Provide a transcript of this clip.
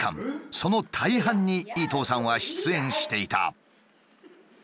その大半に伊東さんは出演していた。